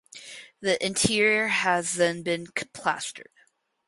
The interior has then been plastered.